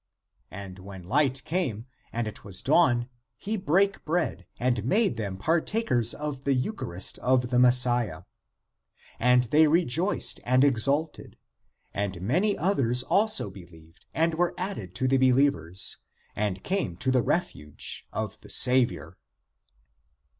And when Hght came, and it was dawn, he brake bread, and made them partakers of the eucharist of the Messiah. And they rejoiced and exulted. And many others also believed, and were added (to the believers), and came to the refuge of the Saviour.